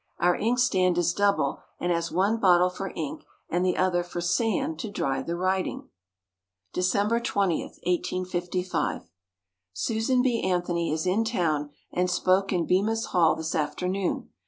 Our inkstand is double and has one bottle for ink and the other for sand to dry the writing. December 20, 1855. Susan B. Anthony is in town and spoke in Bemis Hall this afternoon.